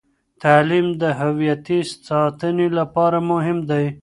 تعلیم د هویتي ساتنې لپاره مهم دی.